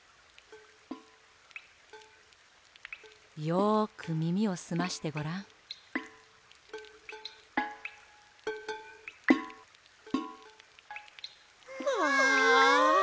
よくみみをすましてごらん。わ！